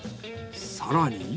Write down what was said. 更に。